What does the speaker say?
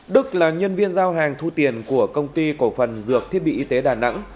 đức là nhân viên giao hàng thu tiền của công ty cổ phần dược thiết bị y tế đà nẵng